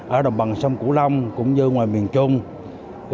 ở đồng bằng sông cửu long cũng như ngoài miền trung